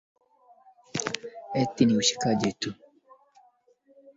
sikiliza rfi kiswahili